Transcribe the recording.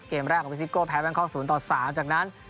เกมแรกของพิซิโก้แพ้แบงคอก๐ต่อ๓จากนั้น